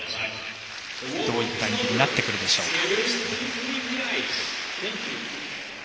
どういった演技になってくるでしょうか。